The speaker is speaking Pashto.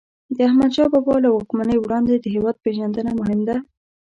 د احمدشاه بابا له واکمنۍ وړاندې د هیواد پېژندنه مهم ده.